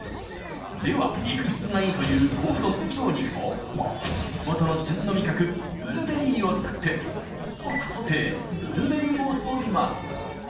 では肉質がいいという香福豚のステーキ用肉と地元の旬の味覚ブルーベリーを使って香福豚のソテーブルーベリーソースを作ります